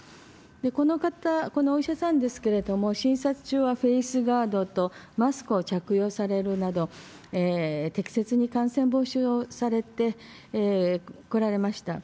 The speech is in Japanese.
この方、このお医者さんですけれども、診察中はフェイスガードとマスクを着用されるなど、適切に感染防止をされてこられました。